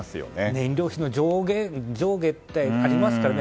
燃料費の上下ってありますからね。